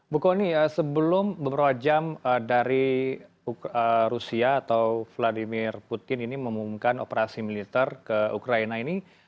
bu kony sebelum beberapa jam dari rusia atau vladimir putin ini mengumumkan operasi militer ke ukraina ini